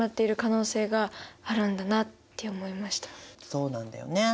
そうなんだよね。